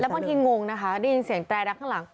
บางทีงงนะคะได้ยินเสียงแตรดักข้างหลัง